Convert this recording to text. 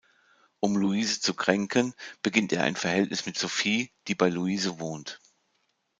Um Louise zu kränken, beginnt er ein Verhältnis mit Sophie, die bei Louise wohnt.